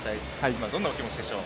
今、どんなお気持ちでしょう。